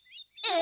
え